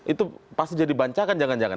itu pasti jadi bancakan jangan jangan